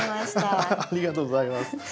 ありがとうございます。